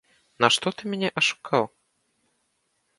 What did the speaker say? Нашто ты мяне ашукаў?